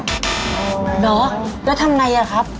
เหรอแล้วทำไงอะครับ